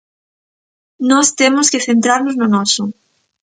Nós temos que centrarnos no noso.